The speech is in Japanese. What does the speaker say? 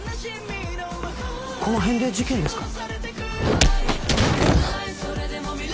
この辺で事件ですか？